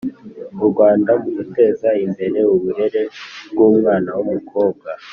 U rwanda mu guteza imbere uburere bw’umwana w’umukobwa